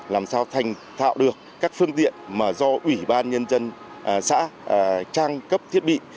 làm sao thành thạo được các phương tiện mà do ủy ban nhân dân xã trang cấp thiết bị